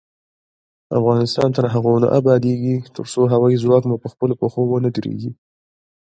افغانستان تر هغو نه ابادیږي، ترڅو هوايي ځواک مو پخپلو پښو ونه دریږي.